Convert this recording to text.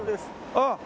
あっ！